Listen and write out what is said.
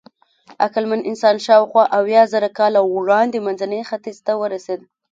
عقلمن انسان شاوخوا اویازره کاله وړاندې منځني ختیځ ته ورسېد.